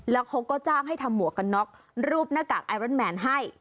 แล้วเขาก็จ้างให้ทำหมวกกันน็อกรูปหน้ากากไอรอนแมนให้